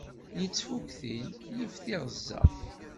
Yettfuktin yif tiɣezza.